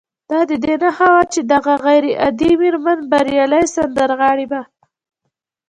دا د دې نښه وه چې دغه غير عادي مېرمن بريالۍ سندرغاړې وه